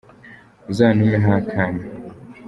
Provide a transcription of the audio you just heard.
Uzantumeho akana